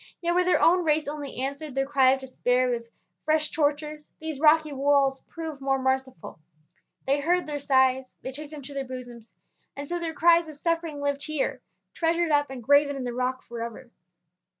Yet where their own race only answered their cry of despair with fresh tortures these rocky walls proved more merciful; they heard their sighs, they took them to their bosoms, and so their cries of suffering lived here, treasured up and graven in the rock forever.